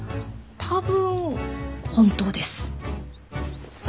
多分本当です。